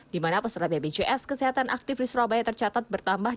di mana peserta bpjs kesehatan aktif di surabaya tercatat bertambah